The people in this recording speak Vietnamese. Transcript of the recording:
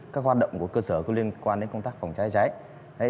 các hoạt động của cơ sở liên quan đến công tác phòng cháy chữa cháy